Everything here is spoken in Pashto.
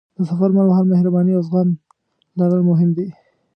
د سفر پر مهال مهرباني او زغم لرل مهم دي.